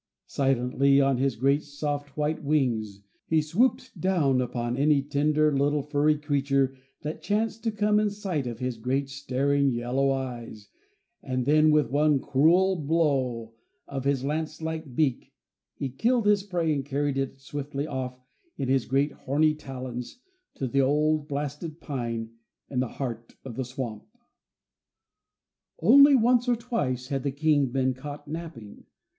Silently, on his great, soft white wings, he swooped down upon any tender little furry creature that chanced to come in sight of his great, staring yellow eyes, and then with one cruel blow of his lance like beak he killed his prey and carried it swiftly off in his great horny talons to the old blasted pine in the heart of the swamp. Only once or twice had the King been caught napping.